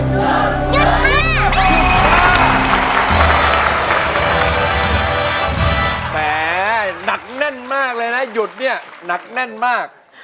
แหมหนักแน่นมากเลยนะหยุดเนี่ยหนักแน่นมาก